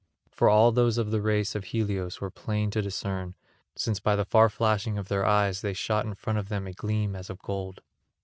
For all those of the race of Helios were plain to discern, since by the far flashing of their eyes they shot in front of them a gleam as of gold.